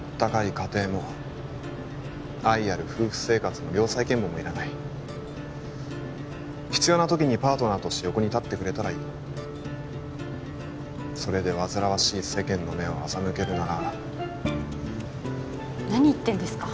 家庭も愛ある夫婦生活も良妻賢母もいらない必要な時にパートナーとして横に立ってくれたらいいそれで煩わしい世間の目を欺けるなら何言ってんですか？